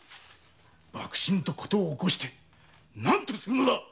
幕臣と事を起こして何とするのだ。